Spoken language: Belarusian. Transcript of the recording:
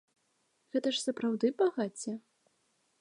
Гэта ж сапраўды багацце?